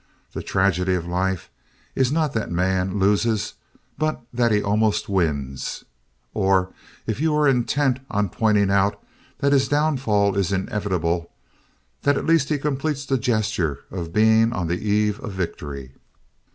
The tragedy of life is not that man loses but that he almost wins. Or, if you are intent on pointing out that his downfall is inevitable, that at least he completes the gesture of being on the eve of victory.